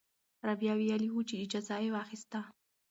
رابعه ویلي وو چې اجازه یې واخیسته.